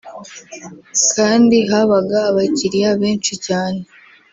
kandi habaga abakiriya benshi cyane